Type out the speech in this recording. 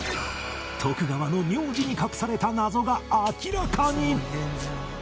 徳川の名字に隠された謎が明らかに！